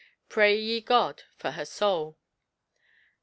Pray ye God for her soul."